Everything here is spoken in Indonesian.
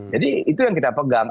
jadi itu yang kita pegang